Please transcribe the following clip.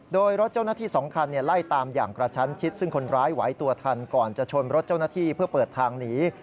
โดยรถเจ้าหน้าที่๒คันไล่ตามอย่างกระชั้นชิดซึ่งคนร้ายไหวตัวทันก่อนจะชนรถเจ้าหน้าที่เพื่อเปิดทางหนี